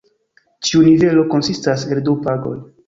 Ĉiu nivelo konsistas el du paĝoj.